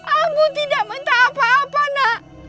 abu tidak minta apa apa nak